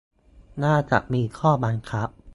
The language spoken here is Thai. น่าจะมีข้อบังคับ